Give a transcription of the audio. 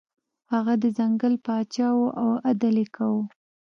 هغه د ځنګل پاچا و او عدل یې کاوه.